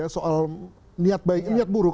soal niat baik niat buruk